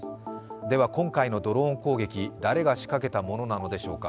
では、今回のドローン攻撃、誰が仕掛けたものなのでしょうか？